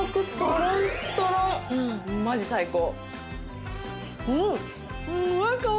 マジ最高。